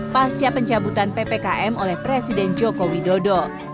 pasca pencabutan ppkm oleh presiden joko widodo